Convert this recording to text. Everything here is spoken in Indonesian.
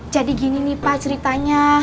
jadi gini nih pak ceritanya